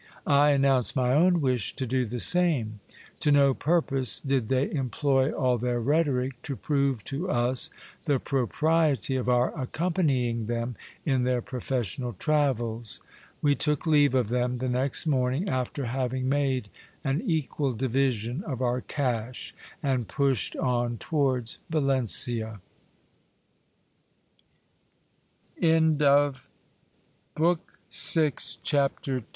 I announced my own wish to do the same. To no purpose did they employ all their rhetoric, to prove to us the propriety of our accompanying them in their professional travels : we took leave of them the next morning, after having made an equal division of our cas